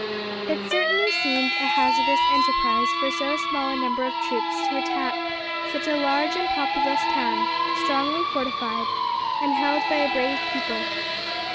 It certainly seemed a hazardous enterprise for so small a number of troops to attack such a large and populous town, strongly fortified, and held by a brave people.